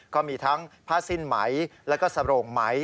ก็มีทั้งผ้าสิ้นไหมแล้วก็สโรงไหม